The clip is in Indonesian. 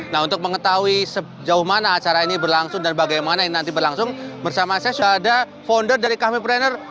nah untuk mengetahui sejauh mana acara ini berlangsung dan bagaimana ini nanti berlangsung bersama saya sudah ada founder dari kami prener